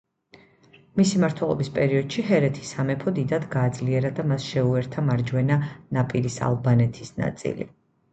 მისი მმართველობის პერიოდში ჰერეთის სამეფო დიდად გააძლიერა და მას შეუერთა მარჯვენა ნაპირის ალბანეთის ნაწილი.